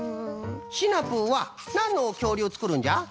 シナプーはなんのきょうりゅうをつくるんじゃ？